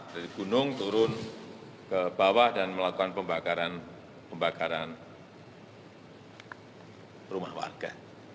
dari gunung turun ke bawah dan melakukan pembakaran rumah warga